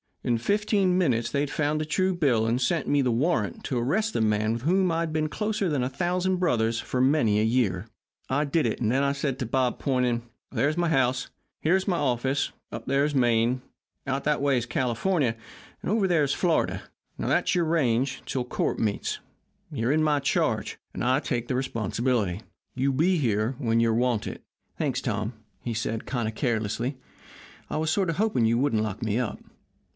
In fifteen minutes they had found a true bill and sent me the warrant to arrest the man with whom I'd been closer than a thousand brothers for many a year. "I did it, and then I said to Bob, pointing: 'There's my house, and here's my office, and up there's Maine, and out that way is California, and over there is Florida and that's your range 'til court meets. You're in my charge, and I take the responsibility. You be here when you're wanted.' "'Thanks, Tom,' he said, kind of carelessly; 'I was sort of hoping you wouldn't lock me up.